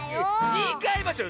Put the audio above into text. ちがいますよ。